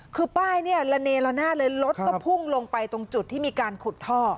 คือป้ายเนี่ยละเนละหน้าเลยรถก็พุ่งลงไปตรงจุดที่มีการขุดท่อ